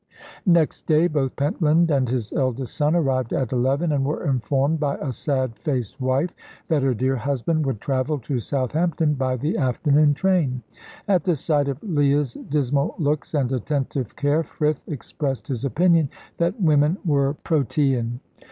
Next day, both Pentland and his eldest son arrived at eleven, and were informed by a sad faced wife that her dear husband would travel to Southampton by the afternoon train. At the sight of Leah's dismal looks and attentive care, Frith expressed his opinion that women were protean.